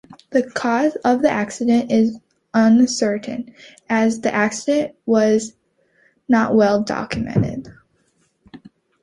The cause of the accident is uncertain as the accident was not well documented.